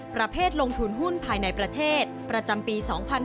ประเภทลงทุนหุ้นภายในประเทศประจำปี๒๕๕๙